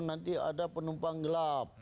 nanti ada penumpang gelap